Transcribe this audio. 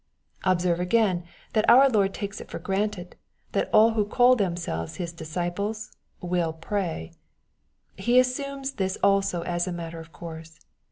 Observe again that our Lord takes it for granted, thai all who call themselves His disciples will pray. He assumes this also as a matter of course.